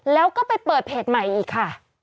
แล้วก็ไปเปิดเพจใหม่อีกค่ะ